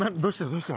どうした？